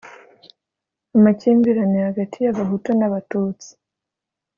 amakimbirane hagati y abahutu n abatutsi